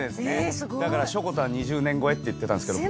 だからしょこたん２０年越えって言ってたんですけど。